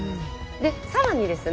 で更にですね